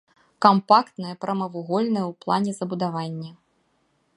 Кампактнае прамавугольнае ў плане збудаванне.